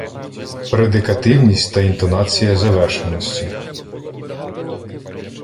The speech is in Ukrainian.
Предикативність та інтонація завершеності